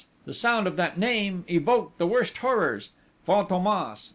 The sound of that name evoked the worst horrors! Fantômas!